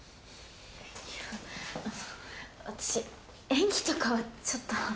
いやあの私演技とかはちょっと。